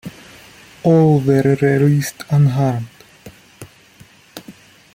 All were released unharmed.